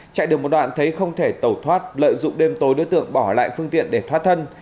chạy được một đoạn thấy không thể tẩu thoát lợi dụng đêm tối đối tượng bỏ lại phương tiện để thoát thân